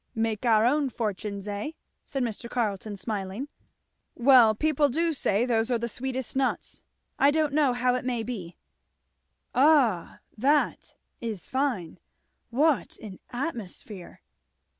"Make our own fortunes, eh?" said Mr. Carleton smiling. "Well people do say those are the sweetest nuts, I don't know how it may be. Ha! that is fine. What an atmosphere!"